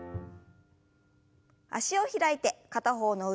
脚を開いて片方の腕を上に。